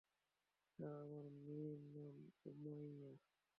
আর আমার মেয়ের নাম উমায়া।